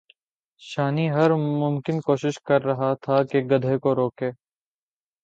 شانی ہر ممکن کوشش کر رہا تھا کہ گدھے کو روکے